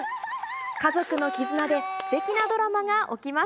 家族の絆ですてきなドラマが起きます。